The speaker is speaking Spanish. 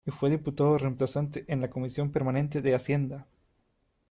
Y fue diputado reemplazante en la Comisión Permanente de Hacienda.